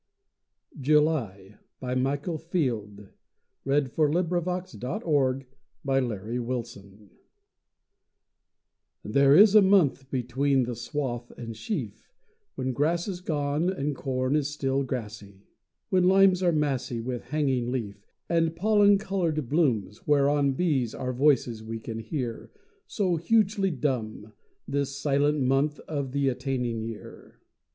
s call Upon our love, and the long echoes fall. Michael Field July THERE is a month between the swath and sheaf When grass is gone And corn still grassy; When limes are massy With hanging leaf, And pollen coloured blooms whereon Bees are voices we can hear, So hugely dumb This silent month of the attaining year.